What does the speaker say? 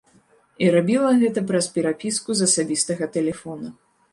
І рабіла гэта праз перапіску з асабістага тэлефона.